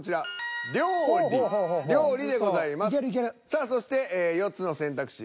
さあそして４つの選択肢